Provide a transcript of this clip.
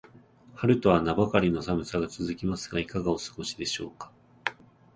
春とは名ばかりの寒さが続きますが、いかがお過ごしでしょうか。